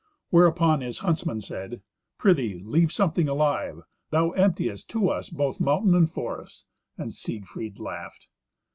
Whereupon his huntsman said, "Prithee, leave something alive; thou emptiest to us both mountain and forest." And Siegfried laughed.